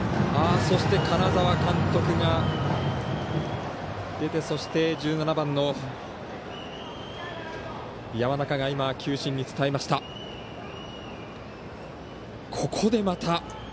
そして金沢監督が出てそして、１７番の山中が球審に伝えました。